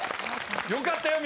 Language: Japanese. よかったよ